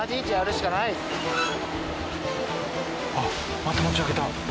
あっまた持ち上げた。